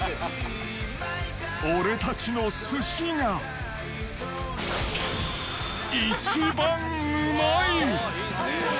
俺たちの寿司が、一番うまい。